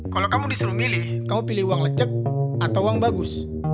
kalau kamu disuruh milih kamu pilih uang lecek atau uang bagus